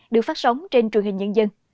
được phát sóng trên truyền hình nhân dân